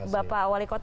bapak wali kota